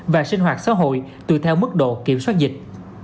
và sinh hoạt xã hội tùy theo mức độ kiểm soát dịch